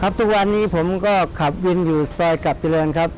ครับตลอดนี้ครับผมก็ขับวินอยู่สายกลับตะเลิกครับ